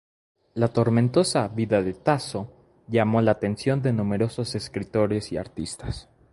La tormentosa vida de Tasso llamó la atención de numerosos escritores y artistas.